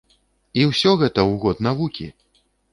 І ўсё гэта ў год навукі!